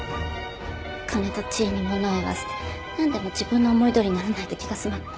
金と地位にものを言わせてなんでも自分の思いどおりにならないと気が済まない。